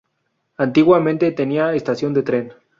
Antiguamente tenía estación de tren.